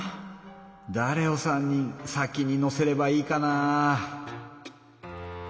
だれを３人先に乗せればいいかな？